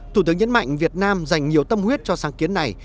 thủ tướng nhấn mạnh việt nam dành nhiều tâm huyết cho sáng kiến này